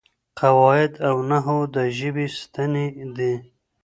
قواعد او نحو د ژبې ستنې دي.